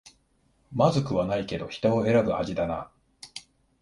まずくはないけど人を選ぶ味だな